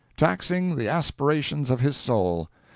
taxing the aspirations of his soul!